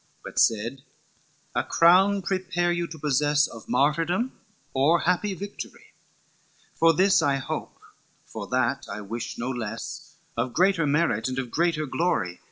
XV "But said, 'A crown prepare you to possess Of martyrdom, or happy victory; For this I hope, for that I wish no less, Of greater merit and of greater glory.